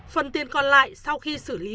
phần tiền còn lại sau khi xử lý